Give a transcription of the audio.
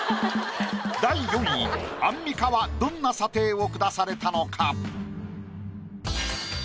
第４位アンミカはどんな査定を下されたのか？